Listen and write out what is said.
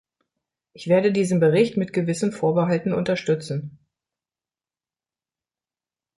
Ich werde diesen Bericht mit gewissen Vorbehalten unterstützen.